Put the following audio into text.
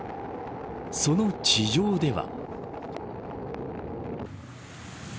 その地上では。